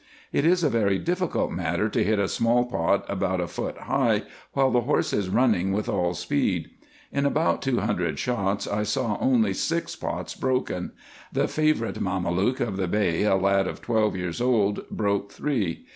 It is a very difficult matter to hit a small pot about a foot high, while the horse is running with all speed. In about two hundred shots I saw only six pots broken : the favourite Mameluke of the Bey, a lad of twelve years old, broke three.